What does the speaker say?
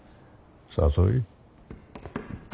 誘い？